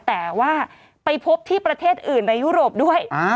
แต่ว่าไปพบที่ประเทศอื่นในยุโรปด้วย